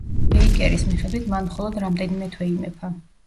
ბეიკერის მიხედვით მან მხოლოდ რამდენიმე თვე იმეფა.